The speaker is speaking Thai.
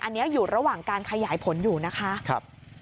อันนี้อยู่ระหว่างการขยายผลอยู่นะคะ